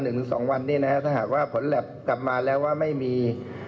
เที่ยงอธิบายงามโดยสมมุติไม่มี